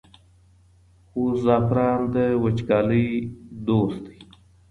خو زعفران د وچکالۍ دوست دی.